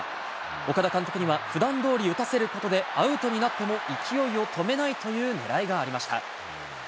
岡田監督にはふだんどおり打たせることで、アウトになっても勢いを止めないというねらいがありました。